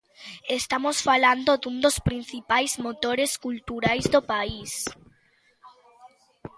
Estamos falando dun dos principais motores culturais do país.